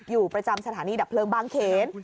อยู่ประจำสถานีดับเพลิงบางเขน